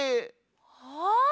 ああ！